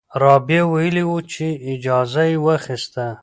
رابعه ویلي وو چې اجازه یې واخیسته.